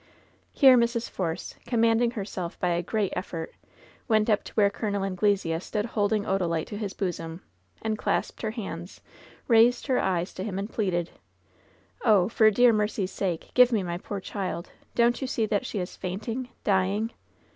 Here Mrs. Force, commanding herself by a great ef fort, went up to where Col. Anglesea stood holding Oda lite to his bosom, and clasped her hands, raised her eyes to him, and pleaded : "Oh 1 for dear mercy's sake, give me my poor child ! Don't you see that she is fainting, dying?"